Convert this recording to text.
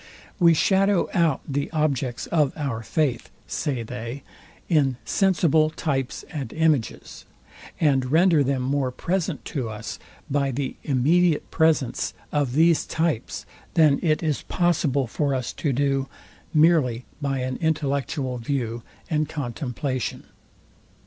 We shadow out the objects of our faith, say they, in sensible types and images, and render them more present to us by the immediate presence of these types, than it is possible for us to do, merely by an intellectual view and contemplation.